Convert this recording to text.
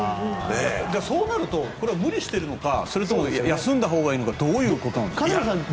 そうなるとこれは無理しているのかそれとも休んだほうがいいのかどういうことなんです？